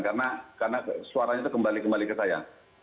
karena suaranya itu kembali kembali ke saya